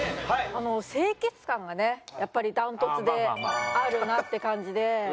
清潔感がねやっぱり断トツであるなって感じで。